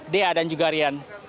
d r dan juga rian